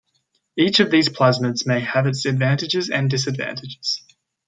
Each of these plasmids may have its advantages and disadvantages.